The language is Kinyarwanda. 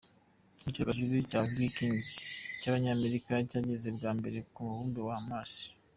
Icyogajuru cya Vikings cy’abanyamerika cyageze bwa mbere ku mubumbe wa Mars.